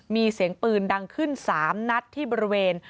มีเสียงปืนดังขึ้น๓นัดที่บริเวณ